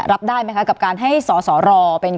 การแสดงความคิดเห็น